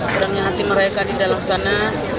kurangnya hati mereka di dalam sana